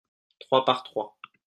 trois par trois.